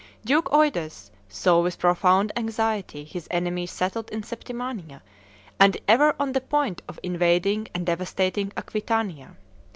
Duke Eudes saw with profound anxiety his enemies settled in Septimania, and ever on the point of invading and devastating Aquitania.